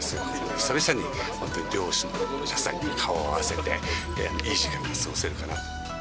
久々に両市の皆さんが顔を合わせて、いい時間が過ごせるかなと。